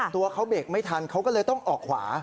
ตัวเขาเบรกไม่ทันเขาก็เลยต้องออกขวา